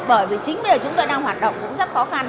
bởi vì chính bây giờ chúng tôi đang hoạt động cũng rất khó khăn